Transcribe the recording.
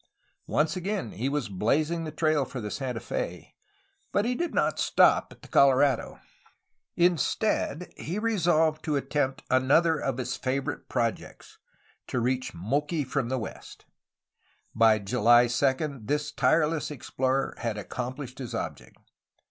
Once again he was blazing the trail for the Santa Fe, but he did not stop at the Colorado. Instead, he resolved to attempt another of his favorite pro jects,— to reach Moqui from the west. By July 2 the tireless explorer had accomplished his object.